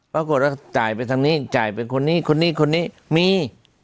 ปรากฏว่าจ่ายไปทางนี้จ่ายไปคนนี้คนนี้คนนี้คนนี้มี